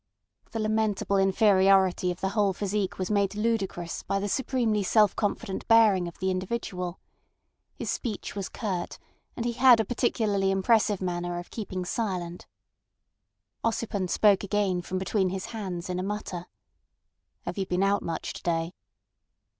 The lamentable inferiority of the whole physique was made ludicrous by the supremely self confident bearing of the individual. His speech was curt, and he had a particularly impressive manner of keeping silent. Ossipon spoke again from between his hands in a mutter. "Have you been out much to day?"